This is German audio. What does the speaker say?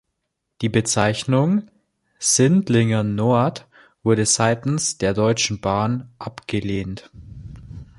Die Bezeichnung „Sindlingen Nord“ wurde seitens der Deutschen Bahn abgelehnt.